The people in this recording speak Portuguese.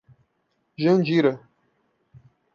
Jandira